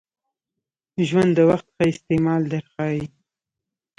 ژوند د وخت ښه استعمال در ښایي .